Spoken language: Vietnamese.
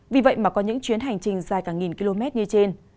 vì vậy mà có những chuyến hành trình dài cả nghìn km như trên